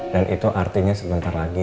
dan itu artinya sebentar lagi